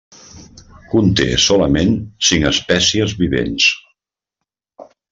Conté solament cinc espècies vivents.